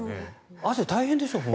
汗大変でしょう。